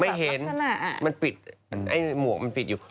ไม่เห็นมันปิดไอ้หมวกมันปิดอยู่